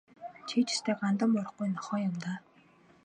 Чи ч ёстой гандан буурахгүй нохой юм даа.